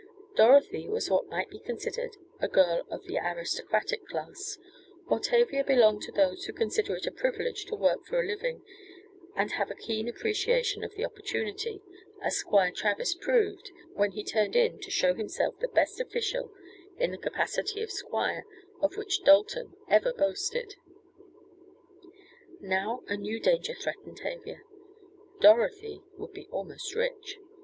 Dorothy was what might be considered a girl of the aristocratic class, while Tavia belonged to those who consider it a privilege to work for a living and have a keen appreciation of the opportunity as Squire Travers proved when he turned in to show himself the best official, in the capacity of squire, of which Dalton ever boasted. Now a new danger threatened Tavia: Dorothy would be almost rich.